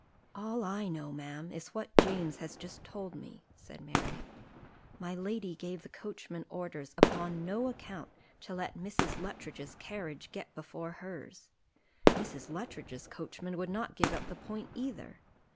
"All I know, ma'am, is what James has just told me," said Marriott. "My lady gave the coachman orders upon no account to let Mrs. Luttridge's carriage get before hers. Mrs. Luttridge's coachman would not give up the point either.